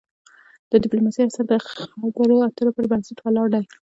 د د ډيپلوماسی اصل د خبرو اترو پر بنسټ ولاړ دی.